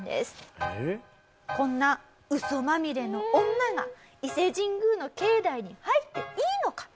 こんなウソまみれの女が伊勢神宮の境内に入っていいのか？